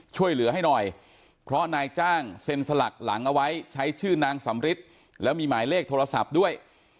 ช่วยเหลือให้หน่อยเพราะนายจ้างเซ็นสลักหลังเอาไว้ใช้ชื่อนางสำริทแล้วมีหมายเลขโทรศัพท์ด้วย